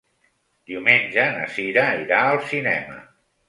Diumenge na Cira irà al cinema.